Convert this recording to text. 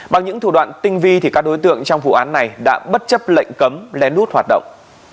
bằng những thủ đoạn tinh vi thì các đối tượng trong vụ án này đã bất chấp lệnh cấm lén lút hoạt động